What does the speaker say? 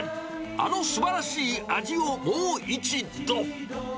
あの素晴らしい味をもう一度。